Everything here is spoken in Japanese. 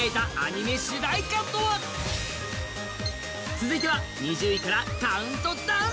続いては２０位からカウントダウン。